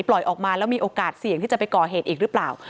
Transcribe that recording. ปล่อยออกมาแล้วมีโอกาสเสี่ยงที่จะไปก่อเหตุอีกหรือเปล่า